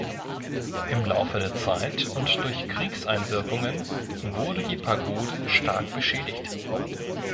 Im Laufe der Zeit und durch Kriegseinwirkungen wurde die Pagode stark beschädigt.